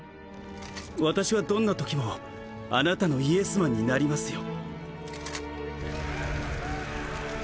私はどんなときもあなたのイエスマンになりますよ